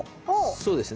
そうですね。